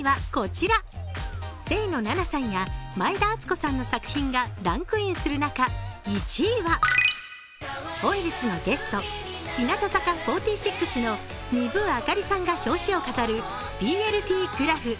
清野菜名さんや前田敦子さんの作品がランクインする中１位は本日のゲスト、日向坂４６の丹生明里さんが表紙を飾る「ｂｌｔｇｒａｐｈ．」。